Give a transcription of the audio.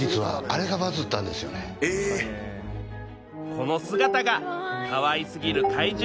この姿が「かわいすぎる怪獣！」